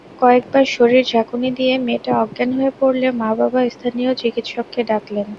কয়েকবার শরীর ঝাঁকুনি দিয়ে মেয়েটা অজ্ঞান হয়ে পড়লে মা-বাবা স্থানীয় চিকিৎসককে ডাকলেন।